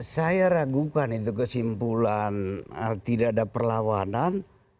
saya ragukan itu kesimpulan tidak ada perlawanan